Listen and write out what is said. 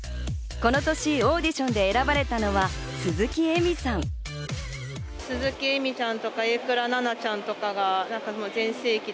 この年オーディションで選ばれたのは鈴木えみさん。